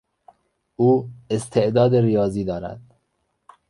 او استعداد ریاضی دارد.